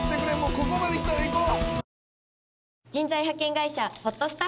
ここまできたらいこう！